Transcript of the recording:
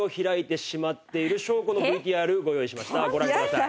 ご覧ください。